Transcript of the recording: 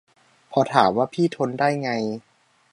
พอถามว่าพี่ทนได้ไง